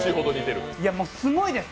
すごいです！